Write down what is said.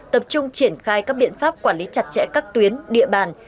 tập trung triển khai các biện pháp quản lý chặt chẽ các tuyến địa bàn